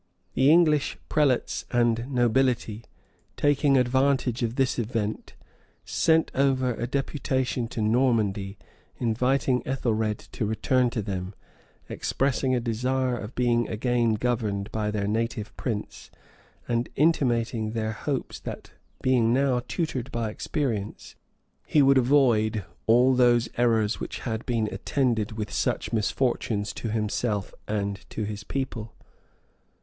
The English prelates and nobility, taking advantage of this event, sent over a deputation to Normandy, inviting Ethelred to return to them, expressing a desire of being again governed by their native prince, and intimating their hopes that, being now tutored by experience, he would avoid all those errors which had been attended with such misfortunes to himself and to his people.